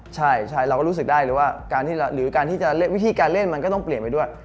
ใช่เรารู้สึกได้เลยว่าวิธีการเล่นมันก็ต้องเปลี่ยนไปด้วย